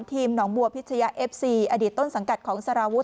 หนองบัวพิชยะเอฟซีอดีตต้นสังกัดของสารวุฒ